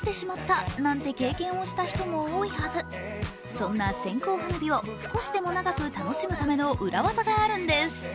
そんな線香花火を少しでも長く楽しむための裏技があるんです。